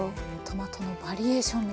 トマトのバリエーション